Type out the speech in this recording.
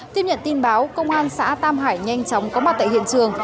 tiếp nhận tin báo công an xã tam hải nhanh chóng có mặt tại hiện trường